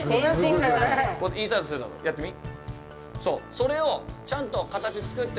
それをちゃんと形つくって。